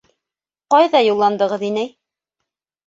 - Кайҙа юлландығыҙ, инәй?